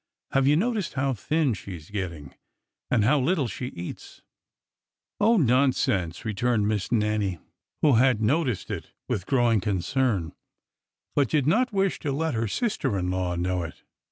Have you noticed how thin she is getting, and how little she eats ?" Oh, nonsense!" returned Miss Nannie, who had no ticed it with growing concern, but did not wish to let her sister in law know it.